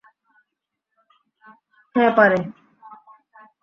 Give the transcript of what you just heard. হ্যাঁ, পারে।